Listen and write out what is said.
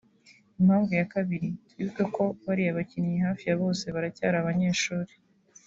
Impamvu ya kabiri twibuke ko bariya bakinnyi hafi ya bose baracyari abanyeshuri